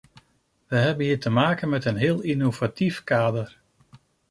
We hebben hier te maken met een heel innovatief kader.